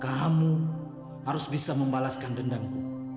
kamu harus bisa membalaskan dendamku